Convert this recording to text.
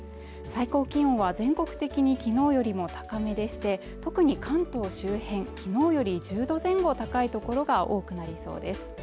最高気温は全国的にきのうよりも高めでして特に関東周辺きのうより１０度前後高い所が多くなりそうです